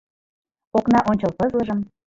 Окна ончыл пызлыжым